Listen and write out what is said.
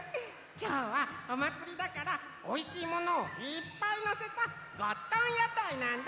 きょうはおまつりだからおいしいものをいっぱいのせたゴットンやたいなんだ！